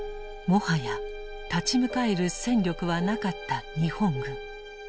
もはや立ち向かえる戦力はなかった日本軍。